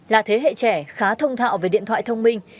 là thế hệ trẻ khá thông thạo về điện thoại thông minh